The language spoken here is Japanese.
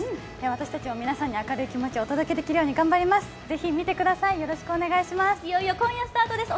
私たちも皆さんに明るい気持ちをお届けできるように頑張ります、ぜひ見てください、よろしくお願いします。